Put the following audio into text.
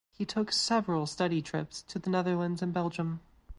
He took several study trips to the Netherlands and Belgium.